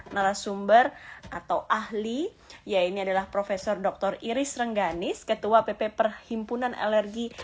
narasumber atau ahli ya ini adalah prof dr iris rengganis ketua pp perhimpunan alergi